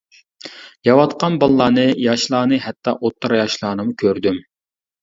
يەۋاتقان بالىلارنى، ياشلارنى ھەتتا ئوتتۇرا ياشلارنىمۇ كۆردۈم.